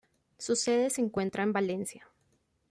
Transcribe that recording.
Su sede se encuentra en Valencia.